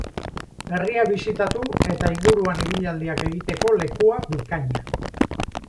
Herria bisitatu eta inguruan ibilaldiak egiteko lekua bikaina.